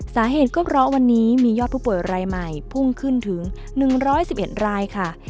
สาเหตุก็เพราะวันนี้มียอดผู้ป่วยรายใหม่พุ่งขึ้นถึง๑๑๑รายค่ะ